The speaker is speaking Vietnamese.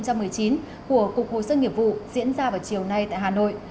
của cục hồ sơ nghiệp vụ diễn ra vào chiều nay tại hà nội